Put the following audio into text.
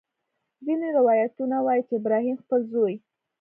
ځینې روایتونه وایي چې ابراهیم خپل زوی.